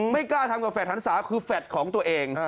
ไม่กล้าทำกับแฟดหันศาคือแฟลตของตัวเอง